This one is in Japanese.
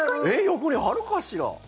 横にあるかしら？